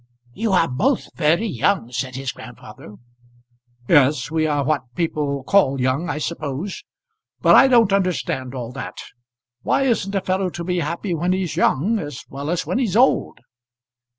"You are both very young," said his grandfather. "Yes; we are what people call young, I suppose. But I don't understand all that. Why isn't a fellow to be happy when he's young as well as when he's old?"